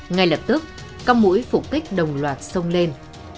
ngay lập tức các mũi phục kích đồng loạt sông lên